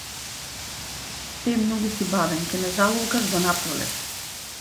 Те многу си бавен, ќе ме залулкаш до напролет!